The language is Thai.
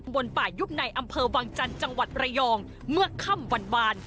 บนป่ายุบในอำเภอวังจันทร์จังหวัดระยองเมื่อค่ำวัน